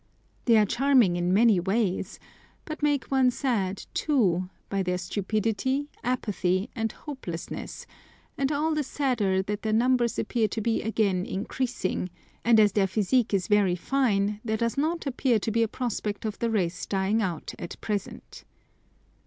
They are charming in many ways, but make one sad, too, by their stupidity, apathy, and hopelessness, and all the sadder that their numbers appear to be again increasing; and as their physique is very fine, there does not appear to be a prospect of the race dying out at present.